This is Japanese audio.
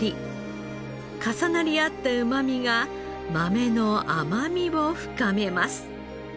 重なり合ったうまみが豆の甘みを深めます。